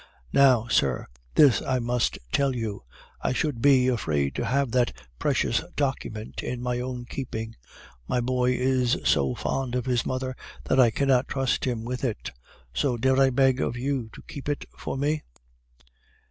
Now, sir, this I must tell you: I should be afraid to have that precious document in my own keeping. My boy is so fond of his mother, that I cannot trust him with it. So dare I beg of you to keep it for me?